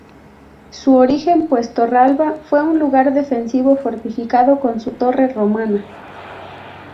En su origen pues Torralba fue un lugar defensivo fortificado con su torre romana.